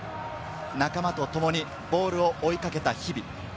仲間とともにボールを追いかけた日々。